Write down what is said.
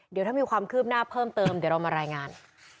เดี๋ยวถ้ามีความคืบหน้าเพิ่มเติมเดี๋ยวเรามารายงาน